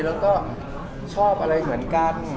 แล้วก็ชอบอะไรเหมือนกัน